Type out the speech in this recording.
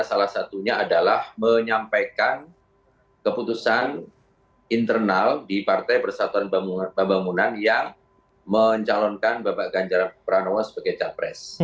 salah satunya adalah menyampaikan keputusan internal di partai persatuan pembangunan yang mencalonkan bapak ganjar pranowo sebagai capres